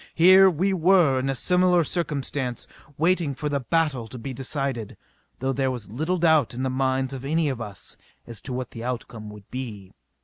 Here were we in a similar circumstance, waiting for the battle to be decided. Though there was little doubt in the minds of any of us as to what the outcome would be.